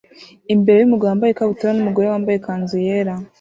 imbere yumugabo wambaye ikabutura numugore wambaye ikanzu yera